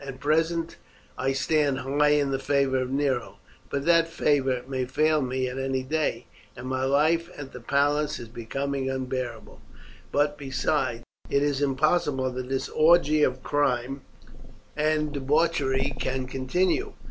At present I stand high in the favour of Nero, but that favour may fail me at any day, and my life at the palace is becoming unbearable; but besides, it is impossible that this orgy of crime and debauchery can continue.